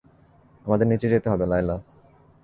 আমাদের নিচে যেতে হবে, লায়লা।